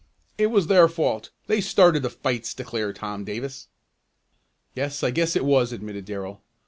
"It was their fault they started the fights," declared Tom Davis. "Yes, I guess it was," admitted Darrell.